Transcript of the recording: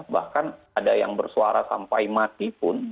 bahkan ada yang bersuara sampai mati pun